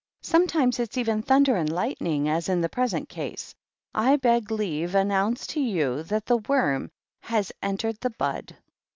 Sometimes it is even thunder and ligl: ning, as in the present case. I beg leave announce to you that the worm has entered t bud.